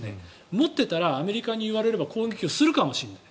持ってたらアメリカに言われれば攻撃をするかもしれない。